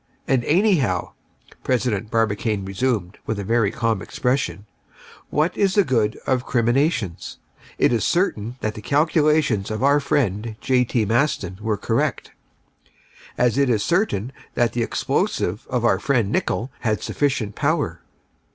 "And anyhow," President Barbicane resumed, with a very calm expression, "what is the good of criminations? It is certain that the calculations of our friend, J. T. Maston, were correct, as it is certain that the explosive of our friend Nicholl had sufficient power.